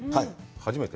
初めて？